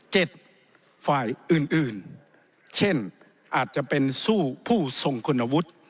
ฝ่ายอื่นอื่นเช่นอาจจะเป็นสู้ผู้ทรงคุณวุฒิ